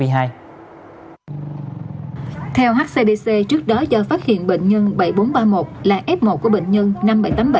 theo hcbc trước đó do phát hiện bệnh nhân bảy nghìn bốn trăm ba mươi một là f một của bệnh nhân năm nghìn bảy trăm tám mươi bảy